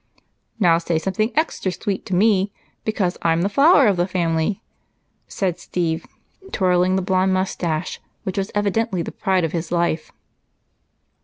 "Now say something extra sweet to me, because I'm the flower of the family," said Steve, twirling the blond moustache, which was evidently the pride of his life.